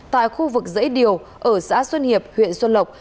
tại khu vực dãy điều ở xã xuân hiệp huyện xuân lộc